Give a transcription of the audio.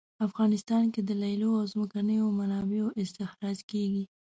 افغانستان کې د لیلیو او ځمکنیو منابعو استخراج کیږي